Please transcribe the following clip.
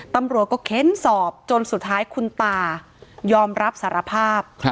ตำรวจก็เค้นสอบจนสุดท้ายคุณตายอมรับสารภาพ